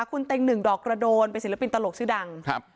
คุณเต็งหนึ่งดอกกระโดนเป็นศิลปินตลกชื่อดังครับ